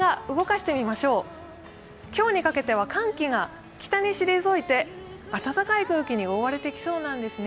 これが今日にかけては寒気が北に退いて暖かい空気に覆われてきそうなんですね。